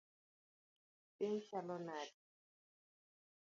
Piny chalo nade?